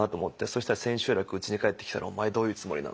そしたら千秋楽うちに帰ってきたら「お前どういうつもりなんだ」と。